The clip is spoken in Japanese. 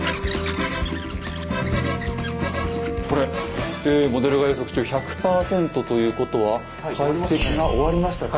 これ「モデルが予測中１００％」ということは解析が終わりましたか。